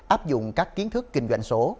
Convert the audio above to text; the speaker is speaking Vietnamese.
áp dụng các kiến thức kinh doanh số